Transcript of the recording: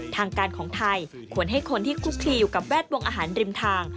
ทางการของไทยควรให้คนที่คุกคลีอยู่กับแวดวงอาหารริมทาง